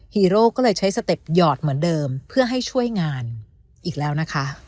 ฮีโร่ก็เลยใช้สเต็ปหยอดเหมือนเดิมเพื่อให้ช่วยงานอีกแล้วนะคะ